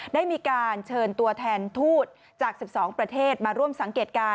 ได้มีการเชิญตัวแทนทูตจาก๑๒ประเทศมาร่วมสังเกตการณ